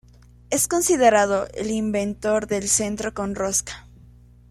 Es considerado el inventor del centro con rosca.